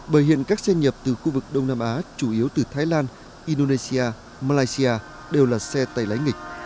bởi hiện các xe nhập từ khu vực đông nam á chủ yếu từ thái lan indonesia malaysia đều là xe tay lái nghịch